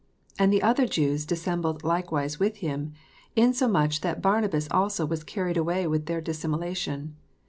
"And the other Jews dissembled likewise with him; insomuch that Barnabas also was carried away with their dissimulation.